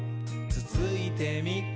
つついてみ？」